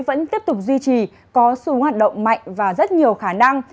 vẫn tiếp tục duy trì có xuống hoạt động mạnh và rất nhiều khả năng